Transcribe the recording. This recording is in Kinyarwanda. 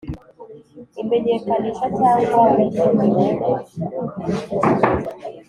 imenyekanisha cyangwa wishyuriweho